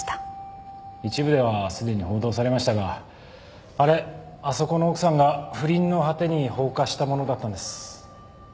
一部ではすでに報道されましたがあれあそこの奥さんが不倫の果てに放火したものだったんです。